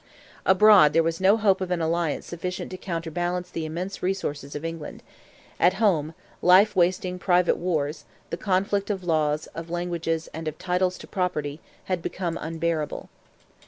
Abroad there was no hope of an alliance sufficient to counterbalance the immense resources of England; at home life wasting private wars, the conflict of laws, of languages, and of titles to property, had become unbearable.